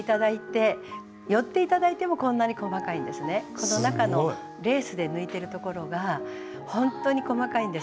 この中のレースで抜いてるところがほんとに細かいんです。